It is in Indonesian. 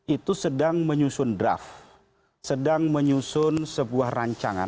itu sedang menyusun draft sedang menyusun sebuah rancangan